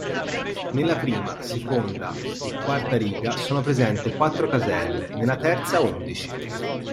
Nella prima, seconda e quarta riga sono presenti quattro caselle, nella terza undici.